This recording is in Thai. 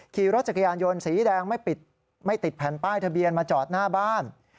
ขี่รถจักรยานยนต์สีแดงไม่ปิดไม่ติดแผ่นป้ายทะเบียนมาจอดหน้าบ้าน